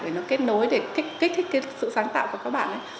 để nó kết nối để kích thích sự sáng tạo của các bạn